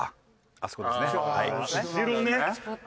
あそこですねはい。